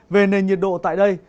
về nền nhiệt độ tại đây